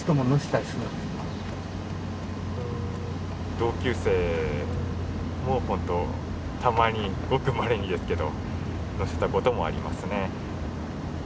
同級生もホントたまにごくまれにですけど乗せたこともありますね。